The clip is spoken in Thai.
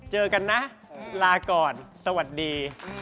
เจอกันนะลาก่อนสวัสดี